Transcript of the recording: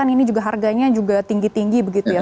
ini juga harganya juga tinggi tinggi begitu ya